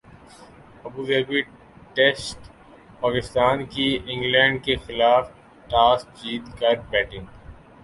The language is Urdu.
ابوظہبی ٹیسٹپاکستان کی انگلینڈ کیخلاف ٹاس جیت کر بیٹنگ